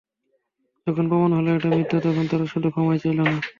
যখন প্রমাণ হলো এটা মিথ্যা, তখন তারা শুধু ক্ষমাই চাইল না।